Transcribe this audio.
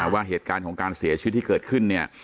ว่าเหตุการณ์ของการเสียชีวิตที่เกิดขึ้นเนี่ย